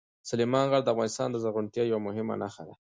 سلیمان غر د افغانستان د زرغونتیا یوه مهمه نښه ده.